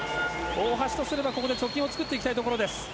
大橋とすればここで貯金を作っていきたいところ。